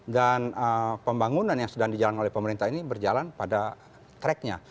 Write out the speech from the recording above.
dan pembangunan yang sedang dijalankan oleh pemerintah ini berjalan pada tracknya